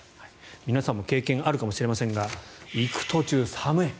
皆さんも経験があるかもしれませんが行く途中、寒い。